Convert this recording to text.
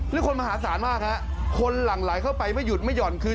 แล้วคนมหาศาลมากฮะคนหลั่งไหลเข้าไปไม่หยุดไม่ห่อนคืน